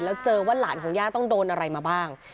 แล้วเจอว่าหลานของย่าต้องโดนอะไรมาบ้าง